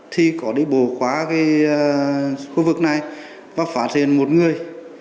thì có đi bộ qua khu vực này và phát hiện một người